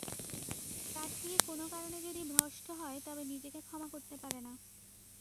তার থেকে কোনো কারণে যদি ভ্রষ্ট হয় তবে নিজেকে ক্ষমা করতে পারে না।